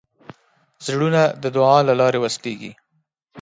زړونه د دعا له لارې وصلېږي.